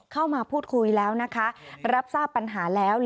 เข้ามาพูดคุยแล้วนะคะรับทราบปัญหาแล้ว